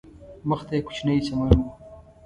مخ ته یې کوچنی چمن و.